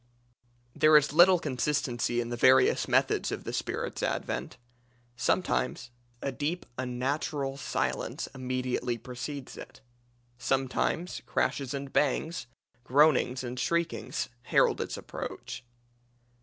There is little consistency in the various methods of the spirit's advent: sometimes a deep unnatural silence immediately precedes it; sometimes crashes and bangs, groanings and shriekings, herald its approach.